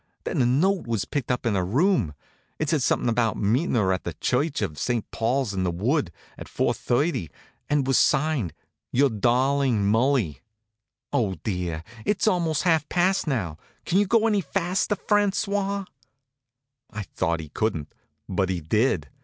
Then a note was picked up in her room. It said something about meeting her at the church of St. Paul's in the Wood, at four thirty, and was signed, 'Your darling Mulli.' Oh, dear, it's almost half past now! Can't you go any faster, François?" I thought he couldn't, but he did.